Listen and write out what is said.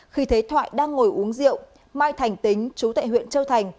khi thế thoại đang ngồi uống rượu mai thành tính chú tệ huyện châu thành